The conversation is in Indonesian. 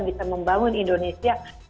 bisa membangun indonesia